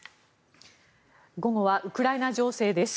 午後はウクライナ情勢です。